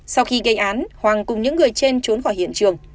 sau khi gây án hoàng cùng những người trên trốn khỏi hiện trường